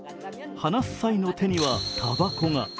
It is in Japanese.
話す際の手にはたばこが。